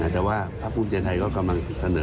แต่ว่าพระคุณเจียนไทยก็กำลังเสนอ